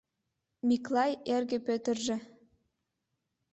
Миклай эрге Пӧтыржӧ